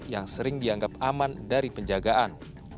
yang sering dianggap aman dari penjagaan